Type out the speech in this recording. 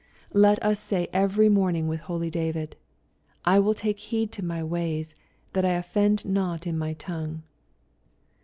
Let us say every morning with holy David, " I will take heed to my ways, that I offend not in my tongue.''